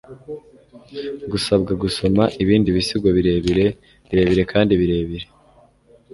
gusabwa gusoma ibindi bisigo birebire, birebire kandi birebire